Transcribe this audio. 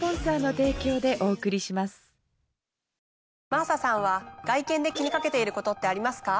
真麻さんは外見で気にかけていることってありますか？